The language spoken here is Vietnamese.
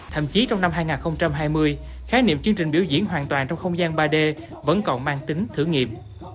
thậm chí trong năm hai nghìn hai mươi khái niệm chương trình biểu diễn hoàn toàn trong không gian ba d vẫn còn mang tính thử nghiệm